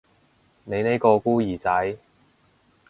你呢個孤兒仔